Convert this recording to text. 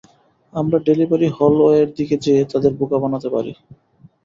আমরা ডেলিভারি হলওয়ের দিকে যেয়ে তাদের বোকা বানাতে পারি।